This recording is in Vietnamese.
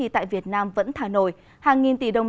tại việt nam vẫn thả nổi hàng nghìn tỷ đồng